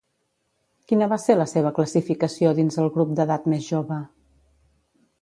Quina va ser la seva classificació dins el grup d'edat més jove?